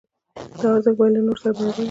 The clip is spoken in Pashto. دا ارزښت باید له نورو سره برابر وي.